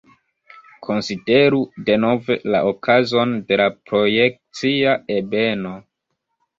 Konsideru denove la okazon de la projekcia ebeno.